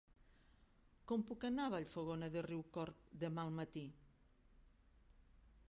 Com puc anar a Vallfogona de Riucorb demà al matí?